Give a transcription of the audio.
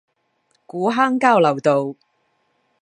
古坑交流道